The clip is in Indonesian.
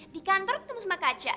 di kantor ketemu sama kaca